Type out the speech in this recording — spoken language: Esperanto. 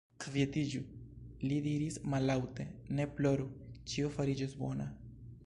Kvietiĝu! li diris mallaŭte, ne ploru, ĉio fariĝos bona.